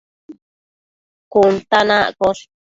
cun ta na iccosh